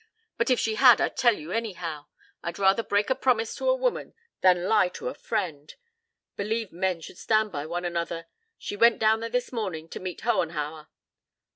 But if she had I'd tell you anyhow. I'd rather break a promise to a woman than lie to a friend. Believe men should stand by one another. She went down there this morning to meet Hohenhauer."